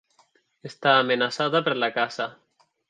Està amenaçada per la caça.